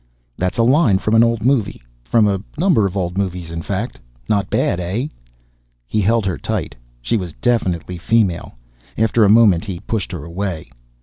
"That's a line from an old movie. From a number of old movies, in fact. Not bad, eh?" He held her tight. She was definitely female. After a moment he pushed her away.